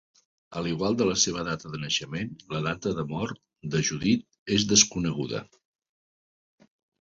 A l'igual de la seva data de naixement, la data de mort de Judith és desconeguda.